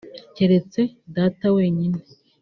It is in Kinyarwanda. keretse Data wenyine